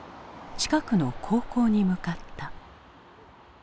近くの高校に向かった。